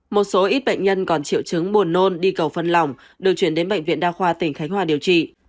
một số ít bệnh nhân còn triệu chứng buồn nôn đi cầu phân lòng được chuyển đến bệnh viện đa khoa tỉnh khánh hòa điều trị